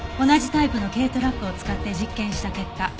同じタイプの軽トラックを使って実験した結果。